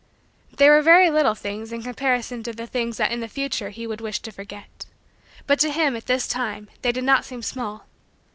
They were very little things in comparison to the things that in the future he would wish to forget; but to him, at this time, they did not seem small.